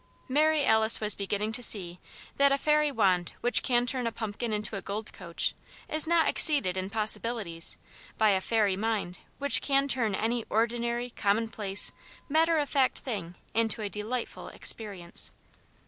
Mary Alice was beginning to see that a fairy wand which can turn a pumpkin into a gold coach is not exceeded in possibilities by a fairy mind which can turn any ordinary, commonplace, matter of fact thing into a delightful "experience."